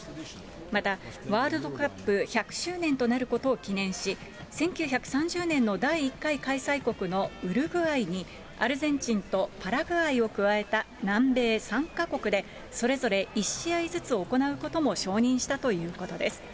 またワールドカップ１００周年となることを記念し、１９３０年の第１回開催国のウルグアイにアルゼンチンとパラグアイを加えた南米３か国で、それぞれ１試合ずつ行うことも承認したということです。